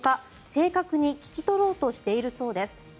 正確に聞き取ろうとしているそうです。